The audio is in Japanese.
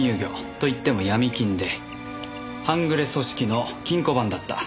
といっても闇金で半グレ組織の金庫番だった。